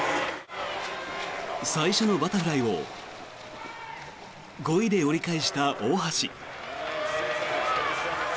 最初のバタフライを５位で折り返した大橋。